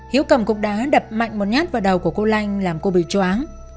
hiếu cầm cục đá đập mạnh một nhát vào đầu của cô lanh làm cô bị chóng